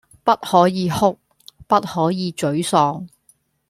不可以哭，不可以沮喪